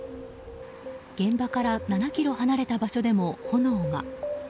現場から７ｋｍ離れた場所でも炎が。